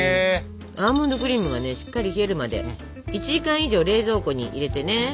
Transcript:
アーモンドクリームがしっかり冷えるまで１時間以上冷蔵庫に入れてね。